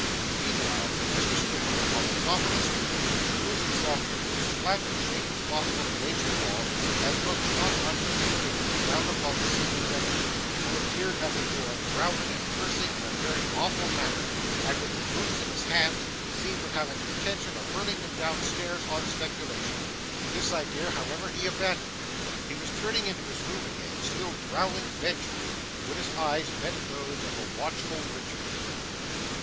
Meanwhile, Mr Swiveller, on the top of the stool, drew himself into as flat a shape as possible against the wall, and looked, not unconcernedly, down upon the single gentleman, who appeared at the door growling and cursing in a very awful manner, and, with the boots in his hand, seemed to have an intention of hurling them down stairs on speculation. This idea, however, he abandoned. He was turning into his room again, still growling vengefully, when his eyes met those of the watchful Richard.